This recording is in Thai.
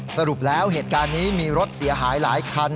สรุปแล้วเหตุการณ์นี้มีรถเสียหายหลายคัน